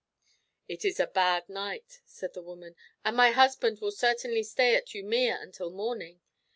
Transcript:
"It is a bad night," said the woman, "and my husband will certainly stay at Umea until morning.